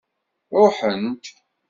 Ṛuḥent.